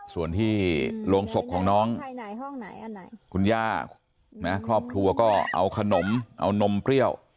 ส่วนที่โรงศพของน้องคุณย่าครอบครัวก็เอาขนมเอานมเปรี้ยว